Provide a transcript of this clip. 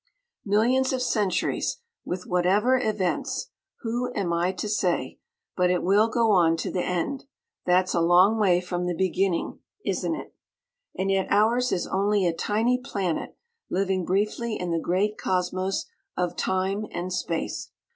Millions of centuries, with whatever events who am I to say? but it will go on to the End. That's a long way from the Beginning, isn't it? And yet ours is only a tiny planet living briefly in the great cosmos of Time and Space!